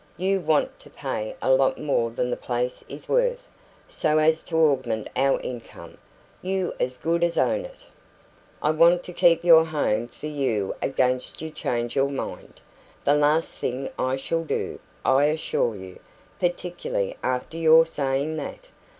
You want to pay a lot more than the place is worth, so as to augment our income. You as good as own it " "I want to keep your home for you against you change your mind." "The last thing I shall do, I assure you particularly after your saying that."